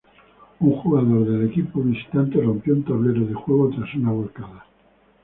Un jugador del equipo visitante rompió un tablero de juego tras una volcada.